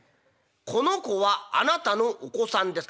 『この子はあなたのお子さんですか？』」。